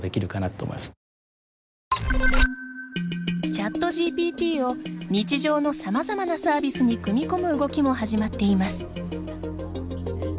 ＣｈａｔＧＰＴを日常のさまざまなサービスに組み込む動きも始まっています。